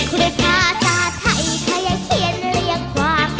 กูเล่กกาสาทไทยก็ยังเขียนเลี่ยงฟาก